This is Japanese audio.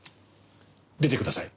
出てください。